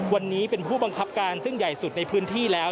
วันนี้เป็นผู้บังคับการซึ่งใหญ่สุดในพื้นที่แล้ว